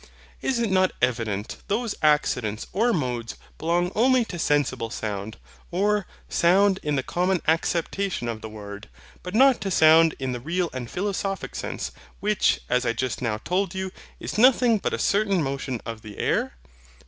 Is it not evident those accidents or modes belong only to sensible sound, or SOUND in the common acceptation of the word, but not to sound in the real and philosophic sense; which, as I just now told you, is nothing but a certain motion of the air?